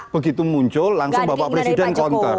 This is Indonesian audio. begitu muncul langsung bapak presiden counter